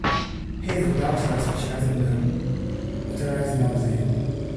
He is a doctor specialized in otolaryngology.